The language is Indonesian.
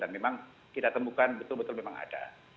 dan memang kita temukan betul betul memang ada